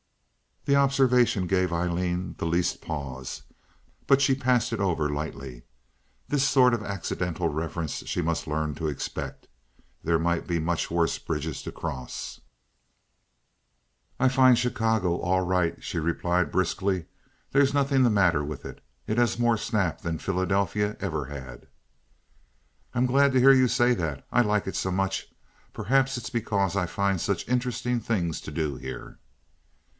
The observation gave Aileen the least pause, but she passed it over lightly. This sort of accidental reference she must learn to expect; there might be much worse bridges to cross. "I find Chicago all right," she replied, briskly. "There's nothing the matter with it. It has more snap than Philadelphia ever had." "I'm glad to hear you say that. I like it so much. Perhaps it's because I find such interesting things to do here."